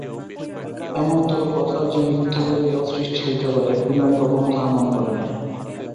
এমনতরো কথার যে মিথ্যা করিয়াও সৃষ্টি হইতে পারে বিনয় কখনো তাহা মনে করে নাই।